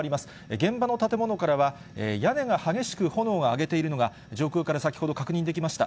現場の建物からは、屋根が激しく炎を上げているのが上空から先ほど確認できました。